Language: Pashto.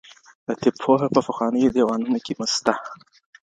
د طب پوهه په پخوانیو دیوانونو کې سته.